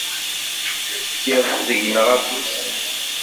Tefkiḍ deg-nneɣ afus.